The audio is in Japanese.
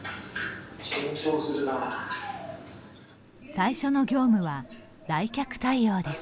最初の業務は来客対応です。